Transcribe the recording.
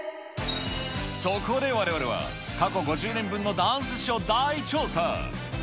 そこでわれわれは、過去５０年分のダンス史を大調査。